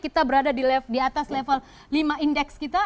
kita berada di atas level lima indeks kita